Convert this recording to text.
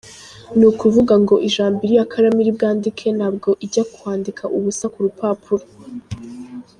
Ni ukuvuga ngo ijambo iriya karamu iri bwandike ntabwo ijya kwandika ubusa ku rupapuro.